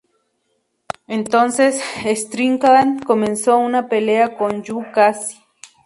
Entonces, Strickland comenzó una pelea con Joe Gacy.